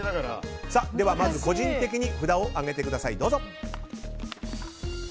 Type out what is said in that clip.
ではまず個人的に札を上げてください。